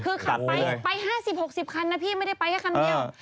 คือขับไปไป๕๐๖๐คันนะพี่ไม่ได้ไปแค่คันเดียว